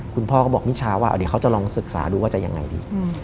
คุณพ่อก็บอกมิชาว่าเดี๋ยวเขาจะลองศึกษาดูว่าจะยังไงดี